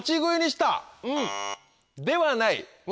ではない。